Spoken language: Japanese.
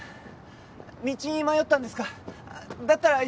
道に迷ったんですか？